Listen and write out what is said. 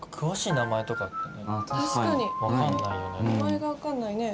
名前が分かんないね。